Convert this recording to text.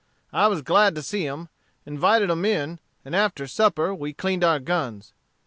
I was glad to see 'em, invited 'em in, and after supper we cleaned our guns.